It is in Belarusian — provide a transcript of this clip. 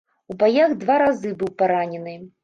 У баях два разы быў паранены.